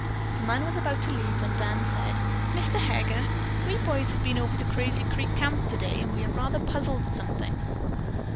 The man was about to leave, when Dan said, "Mr. Heger, we boys have been over to Crazy Creek Camp today and we are rather puzzled about something."